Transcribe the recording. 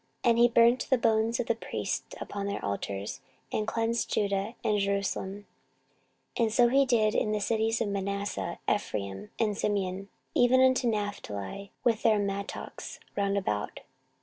14:034:005 And he burnt the bones of the priests upon their altars, and cleansed Judah and Jerusalem. 14:034:006 And so did he in the cities of Manasseh, and Ephraim, and Simeon, even unto Naphtali, with their mattocks round about.